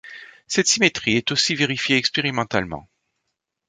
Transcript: Cette symétrie est aussi vérifiée expérimentalement.